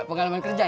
pengalaman kerja ya